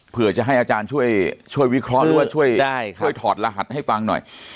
เพื่อจะให้อาจารย์ช่วยวิเคราะห์หรือว่าช่วยถอดรหัสให้ฟังหน่อย